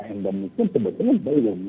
yang sudah muncul kebetulan belum